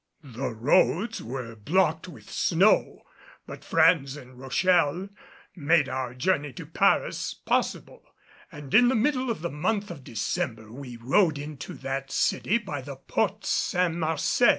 The roads were blocked with snow, but friends in Rochelle made our journey to Paris possible; and in the middle of the month of December we rode into that city by the Porte St. Marcel.